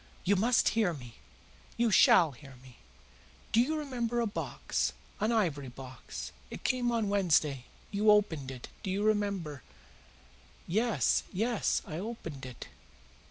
"You must hear me. You SHALL hear me. Do you remember a box an ivory box? It came on Wednesday. You opened it do you remember?" "Yes, yes, I opened it.